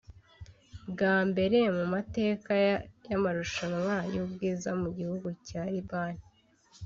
Bwa mbere mu mateka y’amarushanwa y’ubwiza mu gihugu cya Libani